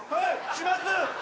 します！